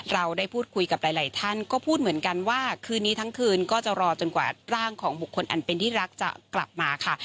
เราได้พูดคุยกับหลายท่านก็พูดเหมือนกันว่าคืนนี้ทั้งคืนก็จะรอจนกว่าร่างของบุคคลอันเป็นที่รักจะกลับมาค่ะ